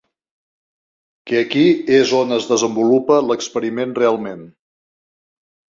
Que aquí és on es desenvolupa l'experiment realment.